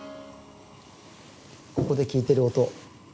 ここで聞いてる音。